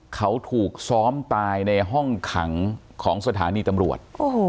เขาถูกซ้อมตายในห้องขังของสถานีตำรวจ